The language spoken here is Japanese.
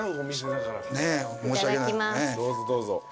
どうぞどうぞ。